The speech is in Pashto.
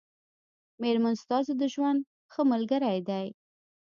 مېرمن ستاسو د ژوند ښه ملګری دی